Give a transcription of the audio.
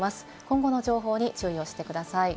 今後の情報に注意をしてください。